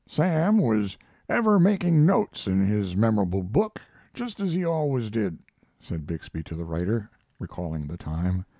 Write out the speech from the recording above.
"Sam was ever making notes in his memorandum book, just as he always did," said Bixby to the writer, recalling the time.